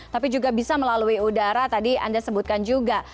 tapi juga bisa melalui udara tadi anda sebutkan juga